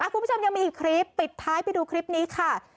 คุณผู้ชมยังมีอีกคลิปปิดท้ายไปดูคลิปนี้ค่ะ